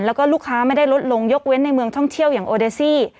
แล้วก็ลูกค้าไม่ได้ลดลงยกเว้นในเมืองท่องเที่ยวอย่างโอเดซี่